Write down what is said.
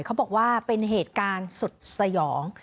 เขาบอกว่าเป็นเหตุการณ์สุดสยอง